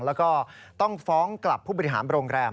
แล้วก็ต้องฟ้องกลับผู้บริหารโรงแรม